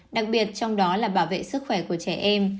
đặc biệt trong đó là bảo vệ sức khỏe của trẻ em